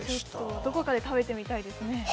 どこかで食べてみたいですね。